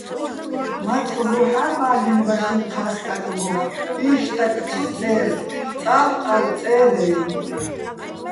მაწყ ბუჰ̦ა́ ბალ'ენბა შინ-ჴა სტაკგო: იშტაკ ცო წე́რ, "წალო̆-ყალო̆" წერ-ა́ჲნო̆.